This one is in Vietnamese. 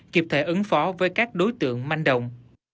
kiệp thể ứng phó với các đối tượng manh động